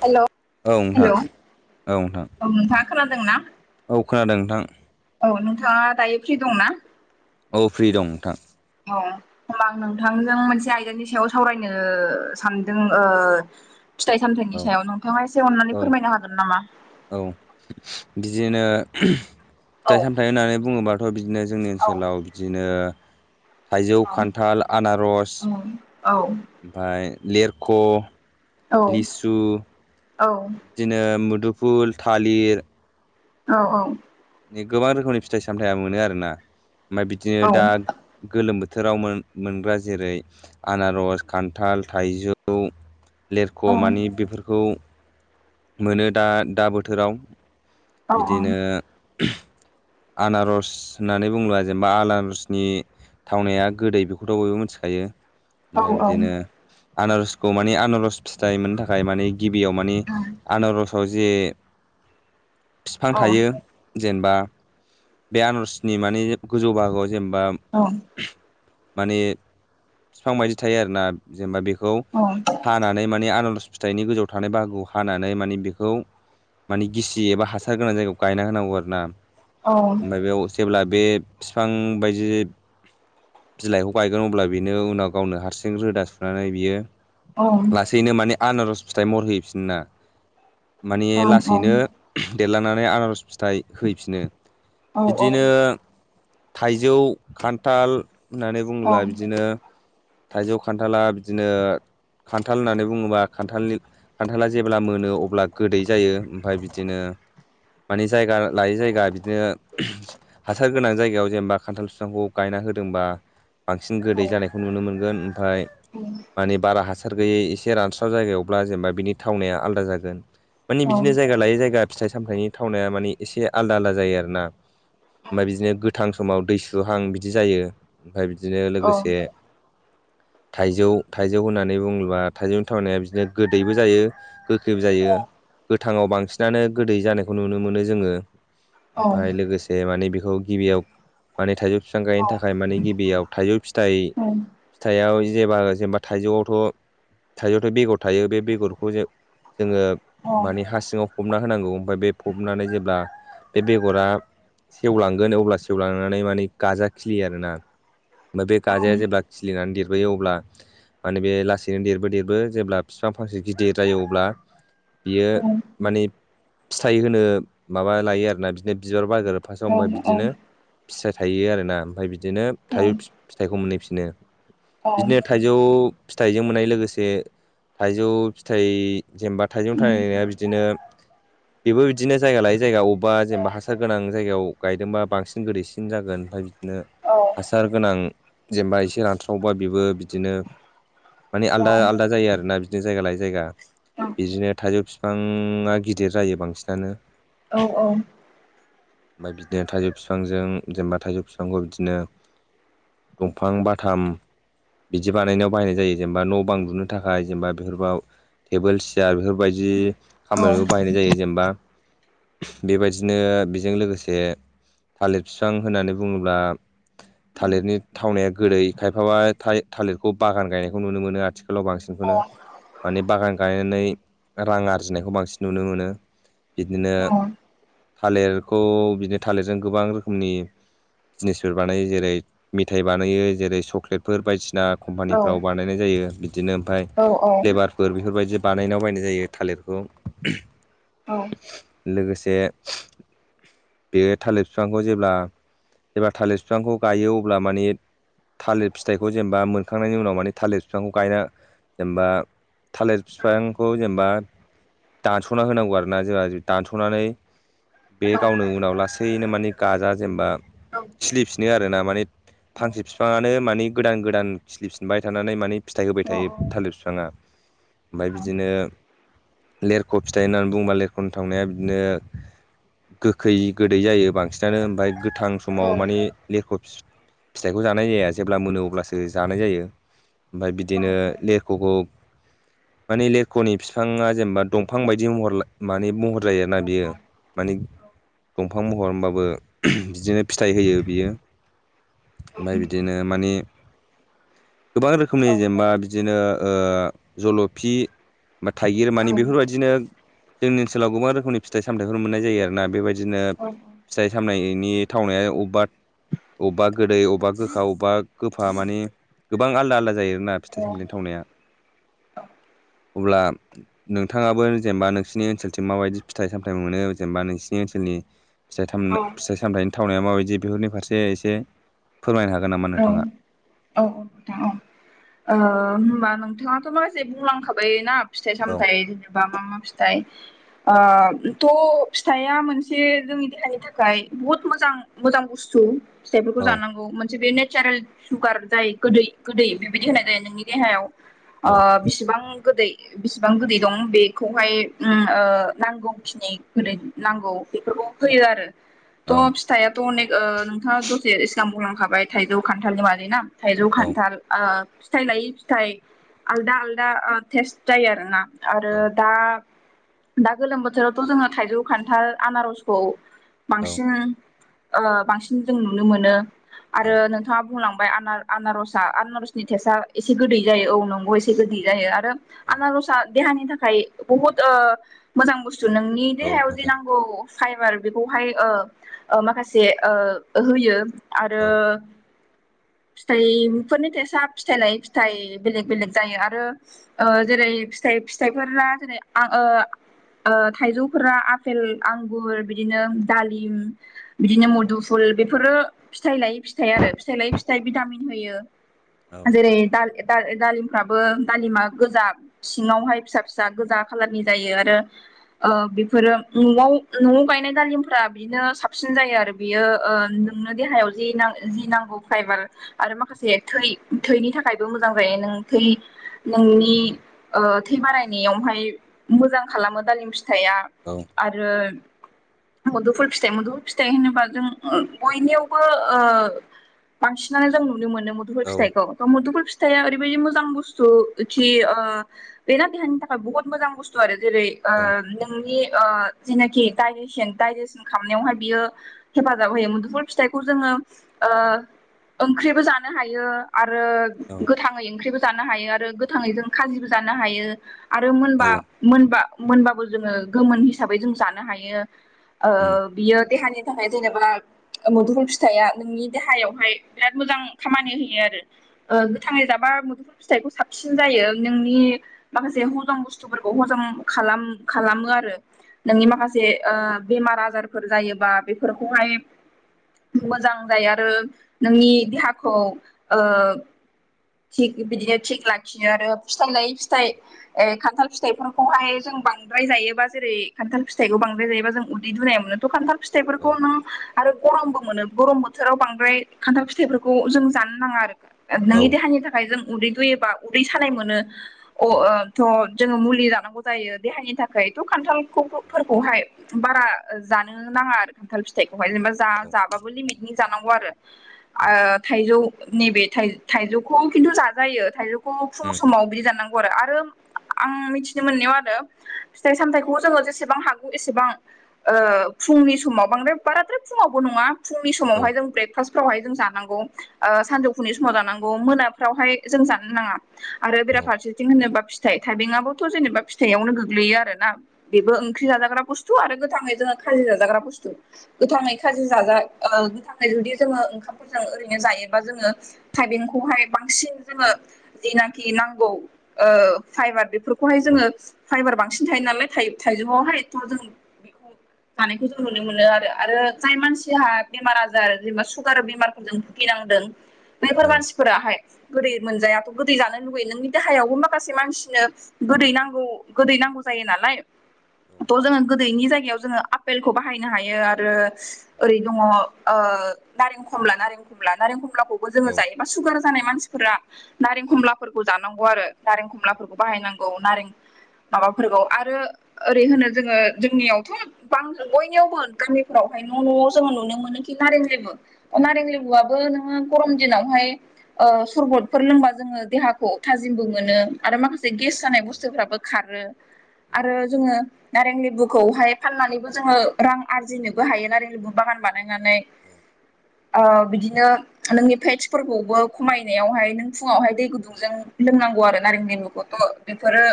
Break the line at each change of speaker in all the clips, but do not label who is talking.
हेल'
औ नोंथां औ नोंथां
नोंथाङा खोनादोंना
औ खोनादों नोंथां
औ नोंथाङा दायो फ्रि दंना
औ फ्रि दं नोंथां
औ होमबा आं नोंथांजों मोनसे आयदानि सायाव सावरायनो सानदों फिथाइ
औ
सामथायाइनि सायाव नोंथाङा एसे अननानै
औ
फोरमायनो हागोन नामा
औ बिदिनो
औ
फिथाइ सामथाइ होननानै बुङोबाथ' बिदिनो जोंनि
औ
ओनसोलाव बिदिनो थाइजौ
औ
खान्थाल आनारस
औ
ओमफ्राय लेरख' लिसु
औ
बिदिनो मुदुफुल थालिर
औ औ
गोबां रोखोमनि फिथाइ सामथायाइ मोनो आरोना ओमफ्राय बिदिनो
औ
दा
औ
गोलोम बोथोर बोथोराव मोनग्रा जेरै आनारस खान्थाल थाइजौ
औ
लेरख' मानि बेफोरखौ मोनो दा दा बोथोराव बिदिनो आनारस होननानै बुङोबा जेनेबा आनारसनि थावनाया गोदै बेखौथ' बयबो मिथिखायो ओमफ्राय बिदिनो आनारसखौ माने आनारस फिथाइ मोननो थाखाय मानि गिबियाव माने आनारसआव जे बिफां थायो जेनेबा बे आनारसनि माने गोजौ बागोआव जेनेबा माने बिफां बायदि थायो आरोना जेनेबा बे खौ हानानै माने आनारस फिथाइनि गोजौआव थानाय बाहागोआव हानानै माने बेखौ मानि गिसि एबा हासार गोनां जायगायाव गायना होनांगौ आरो ना ओमफ्राय बेयाव जेब्ला बे बिफां बायदि बिलाइखौ गायगोन अब्ला बेनो उनाव गावनो हारसिं रोदा सुनानै बियो लासैनो माने आनारस फिथाइ मरहैफिनना माने लासैनो देरलांनानै आनारस फिथाइ होफि बिदिनो थाइजौ खान्थाल होननानै बुङोब्ला बिदिनो थाइजौ खान्थाला बिदिनो खान्थाल होननानै बुङोबा खान्थालनि खान्थाला जेब्ला मोनो अब्ला गोदै जायो ओमफ्राय बिदिनो मानि जायगा लायै जायगा बिदिनो हासार गोनां जायगायाव जेनेबा खान्थाल बिफांखौ गायना होदोंबा बांसिन गोदै जानायखौ नुनो मोनगोन ओमफ्राय मानि बारा हासार गैयै एसे रानस्राव जायगायावब्ला जेनेबा बिनि थावनाया आलादा जागोन मानिे बिदिनो जायगा लायै जायगा फिथाइ सामथाइनि थावनाया मानानि एसे आलदा आलदा जायो आरो आरोना ओमफ्राय बिदिनो गोथां समाव दै सुहां बिदि जायो ओमफ्राय बिदिनो लोगोसे
[unintelligible]
थाइजौ थाइजौ होननानै बुङोब्ला थाइजौनि थावनाया बिदिनो गोदैबो जायो गोखैबो जायो गोथाङाव बांसिनानो गोदै जानायखौ नुनो मोनो जोङो ओमफ्राय लोगोसे माने बेखौ गिबियाव माने थाइजौ बिफां गायनो
औ
थाखाय माने गिबियाव थाइजौ बि
औ
फिथाइयाव जेबा जेनेबा थाइजौआवथ' थाइजौआवथ' बेगर थायो बे बेगरखौ जोङो
ओ
माने हा सिंङाव फबना होनांगौ ओमफफ्राय बे फबनानै जेब्ला बे बेगरा सेवलांगोन अब्ला सेवलांनानै माने गाजा ख्लियो आरोना। ओमफ्राय बे गाजाया जेब्ला खिलिनानै देरबोयो अब्ला माने बे लासैनो देरबो देरबो जेब्ला बिफां फांसे गिदिर जायो अब्ला बियो माने फिथाइ होनो माबा लायो आरो। बिदिनो बिबार बायोरोब फासआव ओमफफ्राय बिदिनो फिथाइ थायो आरोना ओमफ्राय बिद बिदिनो थाइजौ फिथाइखौ मोनहैफिनो बिदिनो थाइजौ फिथाइजों मोननाय लोगोसे थाइजौ फिथाइ जेनेबा थाइजौ थनाया बिदिनो बेबो बिदिनो जायगा लायोै जायगा अब बा जेनेबा हासार गोनां जायगायाव गायदोंबा बांसिन गोदैसिन जागोन ओमफ्राय बिदिनो हासार गोनां जेनेबा एसे रानथ्रावबा बेबो बिदिनो माने आलदा आलादा जायो आरोना बिदिनो जायगा लायै जायगा। बिदिनो थाइजौ बिफांङा गिदिर जायो बांसिनानो।
औ औ।
ओमफाय बिदिनो थाइजौ बिफांजों जेनेबा थाइजौ बिफांखौ बिदिनो दंफां बाथाम बिदि बानायनायाव बाहायनाय जायो जेनेबा न' बांदुनो थाखाय जेनेबा बेफोरबाव टेबोल सियार बेफोरबायदि खामानियावबो बाहायनाय जायो जेनेबा बेबायदिनो बेजों लोगोसे थालिर बिफां होननानै बुंङोब्ला थालिरनि थावनाया गोदै खायफाबा थालिरखौ बागान गायनायखौ नुनो मोनो आथि खालाव बांसिनखौनो माने बागान गायनानै रां आरजिनायखौ बांसिन नुनो मोनो बिदिनो थालिरखौ बिदिनो थालिरजों गोबां रोखोमनि बिजनेसफोर बानायो जेरै मेथाइ बानायो जेरै सक्लेटफोर बायदिसि जा कम्पानिफ्राव बानायनाय जायो बिदिनो ओमफ्राय फ्लेभारफोर बेफोरबायदि बानायनायाव बायनाय जायो थालिरखौ।
औ।
लोगोसे बे थालिर बिफांखौ जेब्ला एबा थालिर बिफांखौ गायो अब्ला माने थालिर फिथाइखौ जेनेबा मोनखांनायनि उनाव माने थालिर बिफांखौ गायना जेनेबा थालिर बिफांखौ जेनेबा दानस'ना होनांगौ आरो ना जोंहा दानस'नानै बे गावनो उनाव लासैनो मानि गाजा जेनेबा खिलिफिनो आरो ना माने फांसे बिफांङानो माने गोदान गोदान खिलिफिनबाय थानानै माने फिथाइ होबाय थायो थालिर बिफाङा। ओमफ्राय बिदिनो लेरख' फिथाइ होननानै बुंङोबा लेरख'नो थांनाया बिदिनो गोखै, गोदै जायो बांसिनानो ओमफफ्राय गोथां समाव माने लेरख' फिथाइखौ जानाय जाया जेब्ला मोनो अब्लासो जानाय जायो। ओमफाय बिदिनो लेरख'खौ माने लेरख'नि बिफाङा जेनेबा दंफां बायदि महर माने महर [unintelligible] बियो माने दंफां महरबाबो बिदिनो फिथाइ होयो बियो। ओमफाय बिदिनो मानि गोबां रोखोमनि जेनेबा बिदिनो ओ जल'फि बा थाइगिर मानि बेफोरबायदिनो जोंनि ओनसोलाव गोबां रोखोमनि फिथाइ सामथथायफोर मोननाय जायो आरोना बेबायदिनो फिथाइ सामनायनि थावनाया अबबा अबबा गोदै अबेबा गोखा अबेबा गोफा माने गोबां आलदा आलदा जायो ना फिथाइ सामथाइ थावनाया। अब्ला नोंथाङाबो जेनेबा नोंसिनि ओनसोलथिं माबायदि फिथाइ सामथाइ थाइ मोनो औ जेनेबा नोंसिनि ओनसोलनि फिथाइ जायनो फिथाइ सामथाइ थावनाया माबायदि बेफोरनि फारसे एसे फोरमायनो हागोन नामा
औ
नोंथाङा
औ औ नोंथां औ ओ होनबा नों नोंथाङाथ माखासे बुंलांखाबाय ना फिथाइ
औ
सामथाइ जेनेबा मा मा फिथाइ ओ थ फिथाया मोनसे जोंनि देहानि थाखाय बुहुत मोजां मोजां बुस्थु फिथाइफोरखौ
औ
जानांगौ मोनसे बे नेचारेल सुगार जाय गोदै गोदै बेबायदि होनाय जायो नोंनि देहायाव
औ
ओ बिसिबां गोदै बिसिबां गोदै दं बेखौहाय ओं ओ नांगौखिनि गोदै नांगौ बेफोर फैयो आरो
औ
थ फिथायाथ अनेक ओ नोंथाङा दसे सिगां बुंलांखाबाय थाइजौ खान्थालनि मानि ना थाइजौ
औ
खान्थाल ओ फिथाइ लायै फिथाइ आलदा आलदा टेस्ट जायो आरोना आरो दा दा गोलोम बोथोरावथ जोङो थाइजौ खान्थाल आनारसखौ
औ
बांसिनो ओ बांसिन जों नुनो मोनो आरो
औ
नोंथाङा बुंलां ओमफाय आनार आनारसया आनारसनि टेस्टआ एसे गोदै जायो औ नंगौ एसे गोदै जायो आ
औ
आनारसा देहानि थाखाय बुहुद ओ मोजां बुस्थ थु नोंनि
औ
देहायाव जे
मोजां
नांगौ फाइबार बेखौहाय ओ ओ माखासे ओ होयो आरो
औ
फिथाइफोरनि टेस्टया फिथाइ लायै फिथाइ बेलेग बेलेग जायो आरो ओ जेरै फिथाइ फिथाइफोराना जेरै आं ओ ओ थाइजौफोरा आफपेल आंगुर बिदिनो दालिम बिदिनो मुदुफुल बेफोरो फिथाइ लायै फिथाइ आरो फिथाइ लायै फि थाय भिटामिन होयो
औ
जेरै दा दाल दालिमफ्राबो दालिमा गोजा सिङावहाय फिसा फिसा गोजा खालारनि जायो आरो ओ बेफोरो नआव नआव गायनाय दालिमफोरा बिदिनो साबसिन जायो आरो बियो ओ
औ
नोंनो देहायाव जि नां जि नांगौ फाइबार आरो माखासे थै थैनि थाखायबो मोजां जायो नों थै नोंनि ओ थै बारायनायावहाय मोजां खालामो दालिम फिथाइया
औ
आरो मुदुफुल फिथाइ मुदुफुल फिथाइ होनोबा जों ओ बयनियावबो ओ बांसिनानो जों नुनो मोनो मुदुफुल
औ
फिथाइखौ मुदुफुल फिथ फिथाइआ ओरैबायदि मोजां बुस्थु खि ओ बेना देहानि थाखाय बहुत मोजां बुस्थु आरो जेरै ओ नोंनि ओ जेनाखि डाइजेसन डाइजेसन खालामनायावहाय बियो हेफाजाब होयो मुदुफुल फिथाइखौ जोङो ओ ओंख्रिबो जानो हायो आरो
औ
गोथाङै ओंख्रिबो जानो हायो आरो गोथाङै जों खाजिबो जानो हायो आरो मोनबा मोनबा मोनबाबो जोङो गोमोन हिसाबै जों जानो हायो ओ
उम
बियो देहानि थाखाय जेनेबा मुदुफुल फिथाइआ नोंनि देहायावहाय बिराद मोजां खामानि होयो आरो ओ
औ
गोथाङै जाबा मोदुफुल फिथाइखौ साबसिन जायो नोंनि नि माखासे हजम बुस्थुफोरखौ हजम खालाम खालामो आरो नोंनि माखासे ओ बेमार आजारफोर जायोबा बेफोरखौहाय मोजां जायो आरो नोंनि देहाखौ ओ थि बिदिनो थिग लाखियो आरो फिथाइ लायै फिथाइ ए खान्थाल फि फिथाइफोरखौहाय जों बांद्राय जायोबा जेरै खान्थाल फिथाइखौ बांद्राय जायोबा जों उदै दुनाय मोनोथ खान्थाल
औ
फिथाइफोरखौ नों आरो गरमबो मोनो गरम बोथोराव बांद्राय खान्थाल फिथाइफोरखौ जों जानो नाङा आरो
औ
नोंनि देहानि थाखाय जों उदै दुयोबा उदै सानाय मोनो अ
उम औ
ओक्षथ जोङो मुलि जानांगौ जायो देहानि थाखायथ खान्थालखौ फोरखौहाय बारा जानो ना नाङा आरो खान्थाल फिथाइखौहाय जेनेबा जा
औ
जाबाबो लिमि नि जानांगौ आरो
औ
ओ थाइजौ नैबे थाय थाइजौ खौ खिन्थु जाजायो थाइजौखौ फुं
उम
समाव बिदि जाननांगौ आरो आरो आं मिथिनो मोननायाव आरो फिथाइ सामथायाइखौ जोङो जेसेबां हागौ एसेबां ओ फुंनि समाव बांद्राय बाराद्राय फुङावबो नङा फुंनि
औ
समावहाय जों ब्रेकफास्टफ्रावहाय जों जानांगौ ओ सानजौफुनि समाव जानांगौ मोनाफ्रावहाय जों जानो नाङा आरो
औ
बेराफारसेथिं होनोबा फिथाइ थाइबेंआथ' जेनेबा फिथाइयावनो गोग्लैयो आरो ना बेबो ओंख्रि जाजाग्रा बुस्थु आरो गोथाङै जों खाजि जाजाग्रा बुस्थु गोथांयै खाजि जाजा ओ गोथांयै जुदि जोङो ओंखामफोरजों ओरोयनो जाजा हायोबा जोङो थायबें खौहाय बांसिन जोङो सिनाखि नांगौ ओ [unintelligible] बेफोरखौहाय जोङो फाइबार बांसिन थायो नालाय थाइजौआवहायथ' जों बेखौ थानायखौ जों नुनो मोनो आरो आरो जाय मानसिहा बेमार आजार जेनेबा सुगार बेमारफोर जों भुगिनांदों बेफोर
औ
मानसि फोराहाय गोदै मोनजायाथ' गोदै जानो लुुबैयो नोंनि देहायावबो माखासे मानसिनो गोदै नांगौ गोदै नांगौ जायो नालाय थ' जोङो गोदोनि जायगायाव जोङो आपेलखौ बाहायनो हायो आरो ओरै दं ओ नारें खमला नारें खमला नारें खमलाखौबो जो
औ
जायो बा सुगार जानाय मानसिफोरा नारें खमलाफोरखौ जानांगौ आरो नारें खमलाफोरखौ बाहायनांगौ नारें माबाफोरखौ आरो ओरै होनो जोङो जोंनियावथ' बां बयनियावबो गामिफोराव न' न'आव जोङो नुनो मोनो खि नारें लेबु नारें लेबुआबो नोङो गरम दिनावहाय ओ सरबतफोर लोंबा जोङो देहाखौ थाजिमबो मोनो आरो माखासे गेस जानाय बुस्थुफ्राबो खारो आरो जोङो नारें लेबुखौहाय फाननानैबो जोङो रां आरजिनोबो हायो नारें लेबु बागान बा नानै बिदिनो नोंनिफ्राय फोरखौबो खमायनायावहाय नों फुङावहाय दै गुदुंजों लोंनांगौ आरो नारें लेबुखौथ' बेफोरो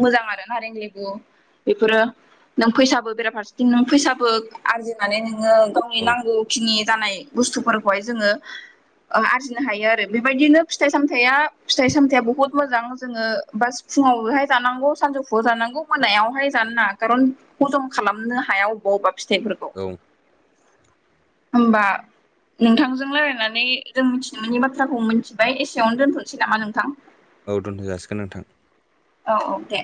मोजां आरो नारें लेबु बेफोरो नों फैसाबो बेराफारसेथिं नों फैसाबो आरजिनानै नों ङो गावनि
औ
नांगौखिनि जानाय बुस्थुफोरखौहाय जोङो आरजिनो हायो आरो बेबायदिनो फिथाइ सामथाया फि साम बुहुत मोजां जोङो बा फुङावहाय जानांगौ सानजौफुवआव जानांगौ मोनायाव जानो नाङा खारन हजम खालामनो हाया अबा अबा फिथाइफोरखौ
औ
होनबा नोंथांजों राय लायनानै जों मिथिनो मोननि बाथ्राखौ मिथिबाय एसेयावनो दोनथ'नोसै नामा नोंथां?
औ दोनथ' जाासिगोन नोंथां
अके